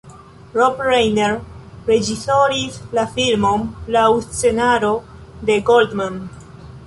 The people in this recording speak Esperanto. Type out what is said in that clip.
Rob Reiner reĝisoris la filmon laŭ scenaro de Goldman.